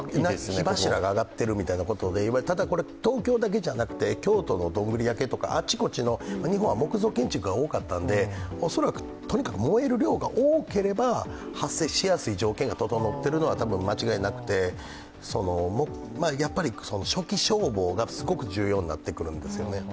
火柱が上がっているというものでただこれ、東京だけじゃなくて、京都のどんぐり焼けとかあちこちの、日本は木造建築が多かったので、恐らく燃える量が多ければ発生しやすい条件が整っているのはたぶん間違いなくて、初期消防がすごく重要になってくるんですよね。